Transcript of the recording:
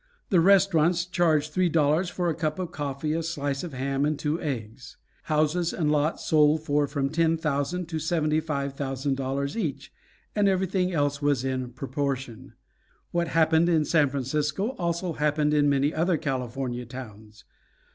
The restaurants charged three dollars for a cup of coffee, a slice of ham, and two eggs. Houses and lots sold for from ten thousand to seventy five thousand dollars each, and everything else was in proportion. What happened in San Francisco also happened in many other California towns.